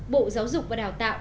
bộ giáo dục và đào tạo